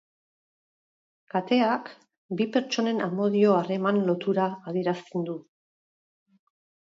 Kateak bi pertsonen amodio harreman lotura adierazten du.